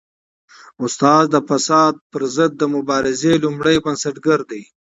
استاد د فساد پر ضد د مبارزې لومړی بنسټګر دی.